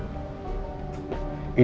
nggak usah lo pikir